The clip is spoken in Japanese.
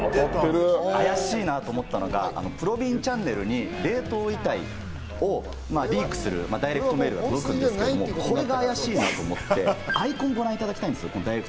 あやしいなと思ったのが、ぷろびんチャンネルに冷凍遺体をリークするダイレクトメールが届くんですけど、これがあやしいなと思ってアイコンをご覧いただきたい。